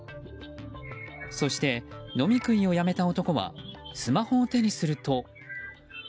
そして、飲み食いをやめた男はスマホを手にすると。